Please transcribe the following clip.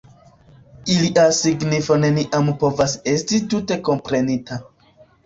Ilia signifo neniam povas esti tute komprenita.